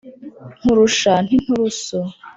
Nkurusha n'inturusu,